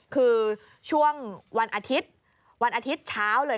คือช่วงวันอาทิตย์วันอาทิตย์เช้าเลย